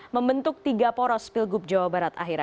membentuk tiga poros pilgub jawa barat akhirnya